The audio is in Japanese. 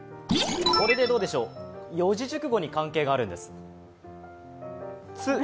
これでどうでしょう、四字熟語に関係があるんです。